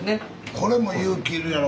これも勇気要るやろ